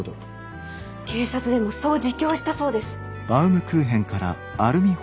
警察でもそう自供したそうです。